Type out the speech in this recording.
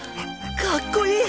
かっこいい！